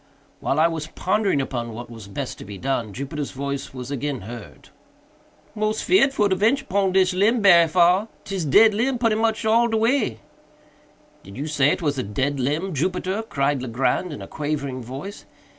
While I was pondering upon what was best to be done, Jupiter's voice was again heard. "Mos feerd for to ventur pon dis limb berry far—'tis dead limb putty much all de way." "Did you say it was a dead limb, Jupiter?" cried Legrand in a quavering voice.